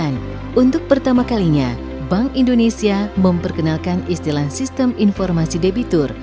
pada seribu sembilan ratus sembilan puluh sembilan untuk pertama kalinya bank indonesia memperkenalkan istilah sistem informasi debitur atau sid